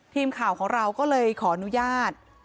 ทีมข่าวของเราก็เลยขออนุญาต